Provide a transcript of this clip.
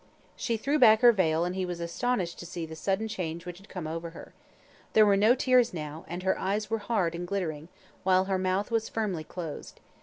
She threw back her veil, and he was astonished to see the sudden change which had come over her. There were no tears now, and her eyes were hard and glittering, while her mouth was firmly closed.